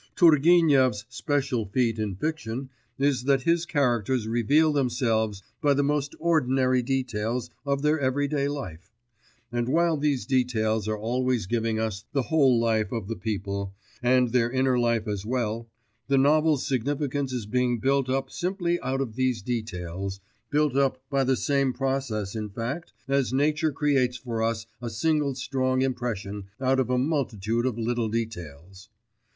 Turgenev's special feat in fiction is that his characters reveal themselves by the most ordinary details of their every day life; and while these details are always giving us the whole life of the people, and their inner life as well, the novel's significance is being built up simply out of these details, built up by the same process, in fact, as nature creates for us a single strong impression out of a multitude of little details.